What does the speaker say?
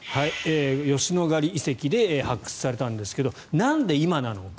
吉野ヶ里遺跡で発掘されたんですがなんで今なのか。